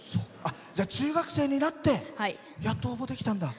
中学生になってやっと応募できたんだ。